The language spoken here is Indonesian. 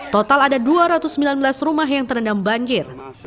total ada dua ratus sembilan belas rumah yang terendam banjir